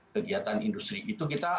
kegiatan industri itu kita